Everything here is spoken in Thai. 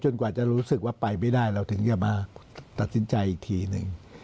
กว่าจะรู้สึกว่าไปไม่ได้เราถึงจะมาตัดสินใจอีกทีหนึ่ง